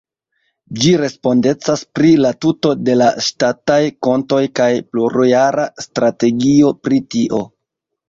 Ĝi respondecas pri la tuto de la ŝtataj kontoj kaj plurjara strategio pri tio.